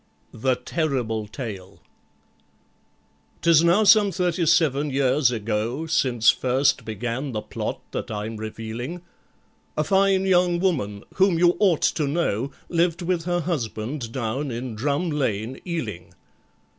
"'Tis now some thirty seven years ago Since first began the plot that I'm revealing, A fine young woman, whom you ought to know, Lived with her husband down in Drum Lane, Ealing.